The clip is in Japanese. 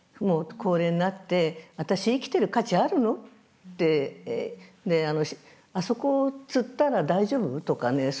もう高齢になって私生きてる価値あるの？ってあそこ吊ったら大丈夫？とかね